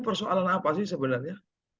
persoalan apa sih sebenarnya